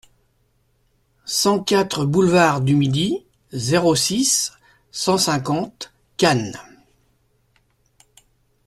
cent quatre boulevard du Midi, zéro six, cent cinquante Cannes